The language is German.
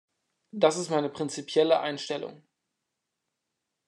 Das ist meine prinzipielle Einstellung.